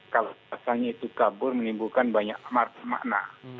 kalau bahasanya itu kabur menimbulkan banyak makna